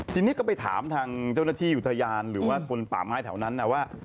ทีนี้ก็ไปถามทางเจ้าหน้าที่อุทยานหรือว่าคนป่าไม้แถวนั้นนะว่า